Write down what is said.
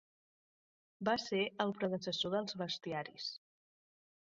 Va ser el predecessor dels bestiaris.